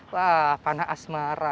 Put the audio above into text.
wah panah asmara